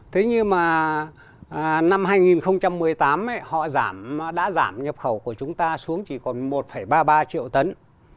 thế nhưng mà năm hai nghìn một mươi tám họ đã giảm nhập khẩu của chúng ta xuống chỉ còn một ba mươi ba triệu tấn